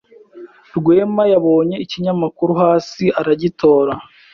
Rwema yabonye ikinyamakuru hasi aragitora.